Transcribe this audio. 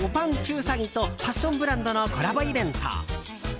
うさぎとファッションブランドのコラボイベント。